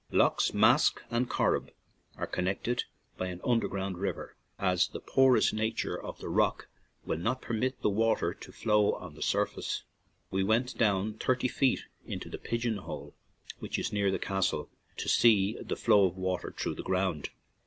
68 BALLINROBE TO LEENANE Loughs Mask and Corrib are connect ed by an underground river, as the po rous nature of the rock will not permit the water to flow on the surface. We went down thirty feet into the "pigeon hole," which is near the castle, to see the flow of water through the ground.